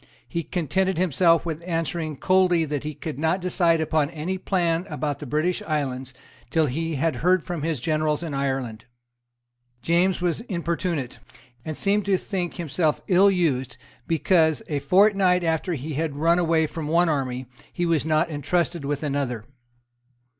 He contented himself with answering coldly that he could not decide upon any plan about the British islands till he had heard from his generals in Ireland. James was importunate, and seemed to think himself ill used, because, a fortnight after he had run away from one army, he was not entrusted with another.